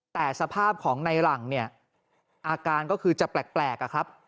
แต่สภาพของในหลังเนี่ยอาการก็คือจะแปลกอะครับ